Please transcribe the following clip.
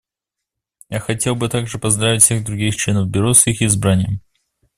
Я хотел бы также поздравить всех других членов Бюро с их избранием.